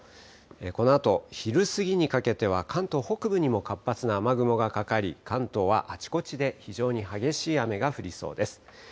このあと昼過ぎにかけては関東北部にも活発な雨雲がかかり、関東はあちこちで非常に激しい雨が降りそうです。